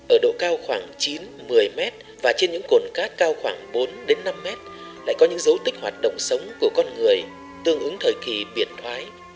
ở độ cao khoảng chín một mươi m và trên những cồn cát cao khoảng bốn năm mét lại có những dấu tích hoạt động sống của con người tương ứng thời kỳ biệt thoái